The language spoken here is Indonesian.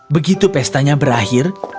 begitu pestanya berakhir dia pergi mencari pesta